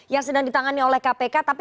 yang sedang ditangani oleh kpk tapi